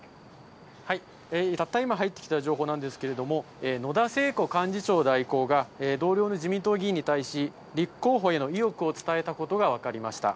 たった今入ってきた情報なんですけれども、野田聖子幹事長代行が、同僚の自民党議員に対し、立候補への意欲を伝えたことが分かりました。